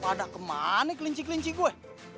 pada kemana kelinci kelinci gue